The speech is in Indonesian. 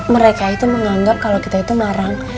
mereka itu menganggap kalau kita itu marang